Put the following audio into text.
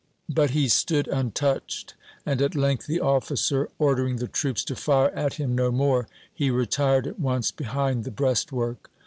But he stood untouched, and, at length, the officer ordering the troops to fire at him no more, he retired at once behind the breastwork.